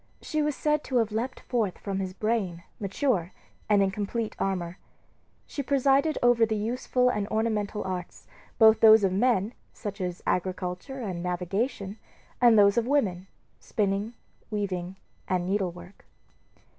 She was said to have leaped forth from his brain, mature, and in complete armor. She presided over the useful and ornamental arts, both those of men such as agriculture and navigation and those of women, spinning, weaving, and needlework.